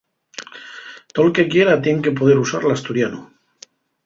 Tol que quiera tien que poder usar l'asturianu.